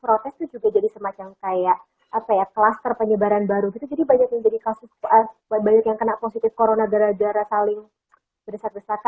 protes tuh juga jadi semacam kayak apa ya kluster penyebaran baru gitu jadi banyak yang jadi kasus banyak yang kena positif corona gara gara saling berdesak desakan